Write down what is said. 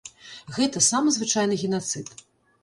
Гэта самы звычайны генацыд.